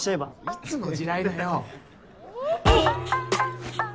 いつの時代だよ！